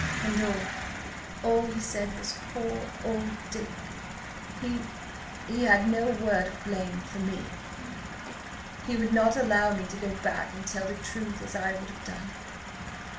"And–and all he said was: 'Poor old Dick!'. .. He–he had no word of blame for me. He would not allow me to go back and tell the truth–as I would have done.